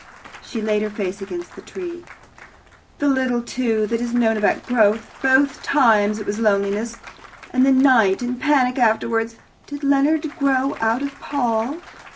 She laid her face against the tree. "The little, too, that is known about growth! Both times it was loneliness, and the night, and panic afterwards. Did Leonard grow out of Paul?"